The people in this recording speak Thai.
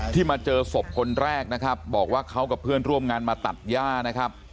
มาเจอศพคนแรกนะครับบอกว่าเขากับเพื่อนร่วมงานมาตัดย่านะครับ